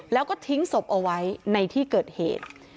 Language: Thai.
แล้วก็ทิ้งศพเอาไว้ในที่เกิดเหตุ